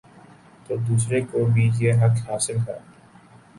تو دوسرے کو بھی یہ حق حاصل ہے۔